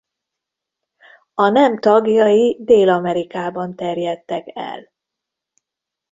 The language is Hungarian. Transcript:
A nem tagjai Dél-Amerikában terjedtek el.